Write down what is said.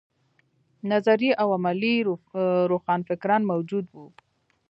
نظري او عملي روښانفکران موجود وو.